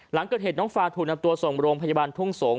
หลังเกิดเหตุน้องฟาถูกนำตัวส่งโรงพยาบาลทุ่งสงศ